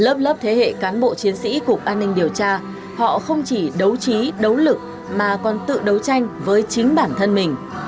lớp lớp thế hệ cán bộ chiến sĩ cục an ninh điều tra họ không chỉ đấu trí đấu lực mà còn tự đấu tranh với chính bản thân mình